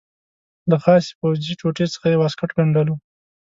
له خاصې پوځي ټوټې څخه یې واسکټ ګنډلو.